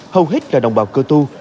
hầu hết là đồng bào cơ tu